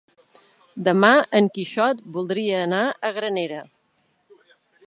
Demà en Quixot voldria anar a Granera.